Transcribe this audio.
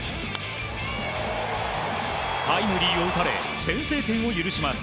タイムリーを打たれ先制点を許します。